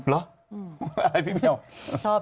เหรออะไรพี่เบียว